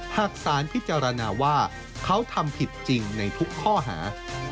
หากสารพิจารณาว่าเขาทำผิดจริงในทุกข้อหา